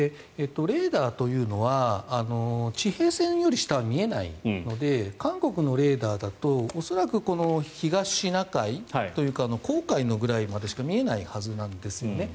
レーダーというのは地平線より下は見えないので韓国のレーダーだと恐らく、東シナ海というか黄海ぐらいまでしか見えないはずなんですよね。